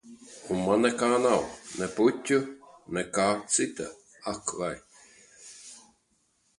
Un man nekā nav - ne puķu, ne kā cita. Ak vai.